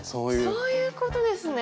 そういうことですね。